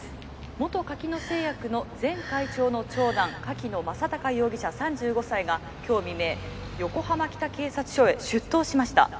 元柿野製薬の前会長の長男柿野正隆容きょう未明横浜北警察署へ出頭しました。